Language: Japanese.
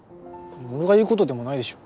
俺が言う事でもないでしょ。